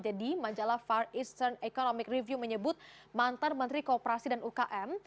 jadi manjalah far eastern economic review menyebut mantan menteri kooperasi dan ukm